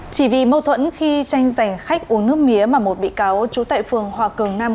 chỉ vì mâu thuẫn khi tranh giành khách uống nước mía mà một bị cáo trú tại phường hòa cường năm